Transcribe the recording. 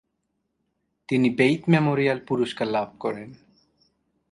তিনি বেইত মেমোরিয়াল পুরস্কার লাভ করেন।